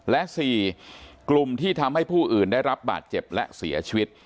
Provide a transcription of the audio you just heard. และ๔กลุ่มที่ทำให้ผู้อื่นได้รับบาดเจ็บและเสียชีวิต